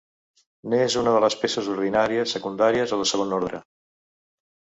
N'és una de les peces ordinàries, secundàries o de segon ordre.